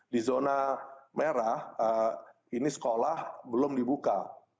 di zona merah ini sekolah belum dibuka